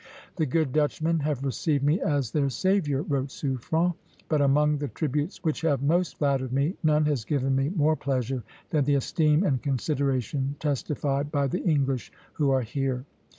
"The good Dutchmen have received me as their savior," wrote Suffren; "but among the tributes which have most flattered me, none has given me more pleasure than the esteem and consideration testified by the English who are here."